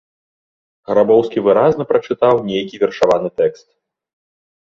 Грабоўскі выразна прачытаў нейкі вершаваны тэкст.